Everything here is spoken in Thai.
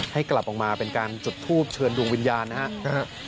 ให้กลับออกมาเป็นการจุดทูปเชิญดวงวิญญาณนะครับ